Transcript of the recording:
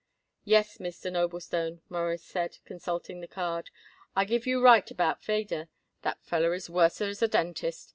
"Yes, Mr. Noblestone," Morris said, consulting the card. "I give you right about Feder. That feller is worser as a dentist.